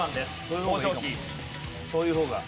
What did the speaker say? こういう方が。